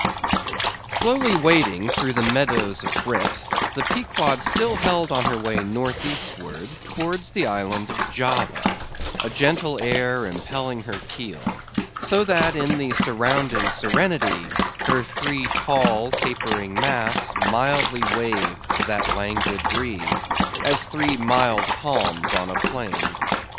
Slowly wading through the meadows of brit, the Pequod still held on her way north eastward towards the island of Java; a gentle air impelling her keel, so that in the surrounding serenity her three tall tapering masts mildly waved to that languid breeze, as three mild palms on a plain.